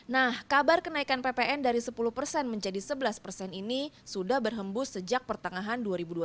nah kabar kenaikan ppn dari sepuluh persen menjadi sebelas persen ini sudah berhembus sejak pertengahan dua ribu dua puluh